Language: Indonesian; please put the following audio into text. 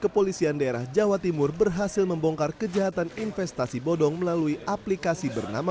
kepolisian daerah jawa timur berhasil membongkar kejahatan investasi bodong melalui aplikasi bernama